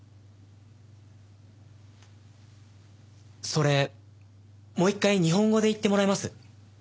それもう１回日本語で言ってもらえます？